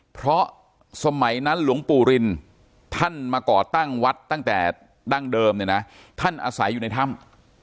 เพราะสมัยนั้นหลวงปู่รินท่านมาก่อตั้งวัดตั้งแต่ดั้งเดิมเนี่ยนะท่านอาศัยอยู่ในถ้ำ